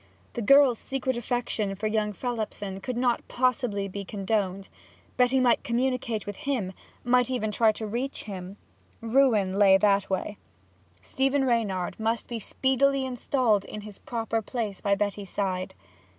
The girl's secret affection for young Phelipson could not possibly be condoned. Betty might communicate with him, might even try to reach him. Ruin lay that way. Stephen Reynard must be speedily installed in his proper place by Betty's side.